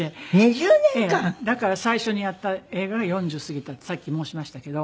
だから最初にやった映画が４０過ぎたってさっき申しましたけど。